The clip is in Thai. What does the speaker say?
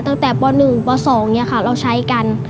ตั้งแต่ป๑ป๒เราใช้กัน